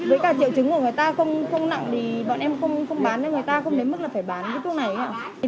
với cả triệu chứng của người ta không nặng thì bọn em không bán nên người ta không đến mức là phải bán hết thuốc này ạ